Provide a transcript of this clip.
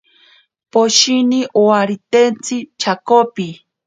Poshini owaritentsi chopi.